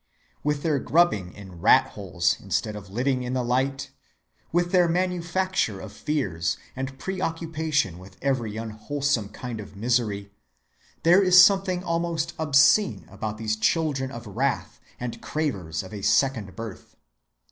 With their grubbing in rat‐holes instead of living in the light; with their manufacture of fears, and preoccupation with every unwholesome kind of misery, there is something almost obscene about these children of wrath and cravers of a second birth.